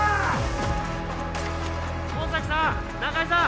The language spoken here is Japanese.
大崎さん中井さん！